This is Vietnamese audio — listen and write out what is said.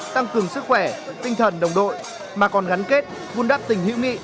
tăng cường sức khỏe tinh thần đồng đội mà còn gắn kết vun đắp tình hữu nghị